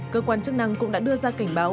cơ quan chức năng cũng đã đưa ra cảnh báo